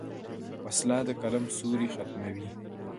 وسله د قلم سیوری ختموي